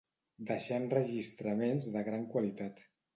Deixà enregistraments de gran qualitat.